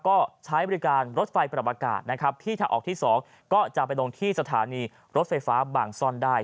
ก็ใช้บริการรถไฟปรับอากาศนะครับที่ถ้าออกที่๒ก็จะไปลงที่สถานีรถไฟฟ้าบางซ่อนได้